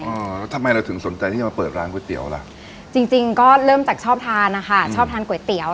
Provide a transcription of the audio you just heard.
อ่าแล้วทำไมเราถึงสนใจที่จะมาเปิดร้านก๋วยเตี๋ยวล่ะจริงจริงก็เริ่มจากชอบทานนะคะชอบทานก๋วยเตี๋ยว